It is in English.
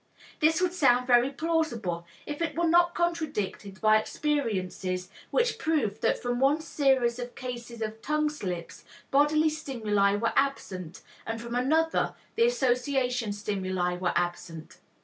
This would sound very plausible if it were not contradicted by experiences which proved that from one series of cases of tongue slips bodily stimuli were absent, and from another, the association stimuli were absent.